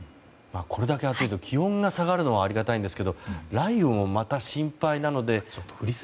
これだけ暑いと気温が下がるのはありがたいんですが雷雨もまた心配なので。